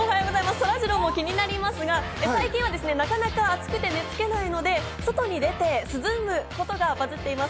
そらジローも気になりますが、最近はなかなか暑くて寝付けないので、外に出て涼むことがバズっています。